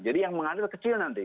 jadi yang mengalir kecil nanti